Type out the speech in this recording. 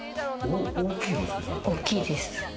大きいです。